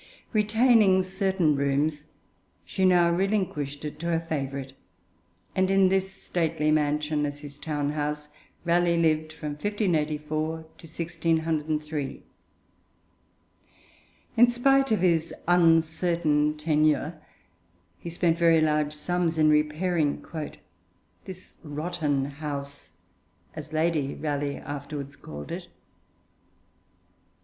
Retaining certain rooms, she now relinquished it to her favourite, and in this stately mansion as his town house Raleigh lived from 1584 to 1603. In spite of his uncertain tenure, he spent very large sums in repairing 'this rotten house,' as Lady Raleigh afterwards called it.